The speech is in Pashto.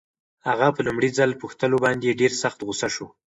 اغا په لومړي ځل پوښتلو باندې ډېر سخت غوسه شو.